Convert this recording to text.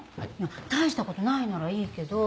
大したことないならいいけど。